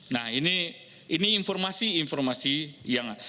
nah ini informasi informasi yang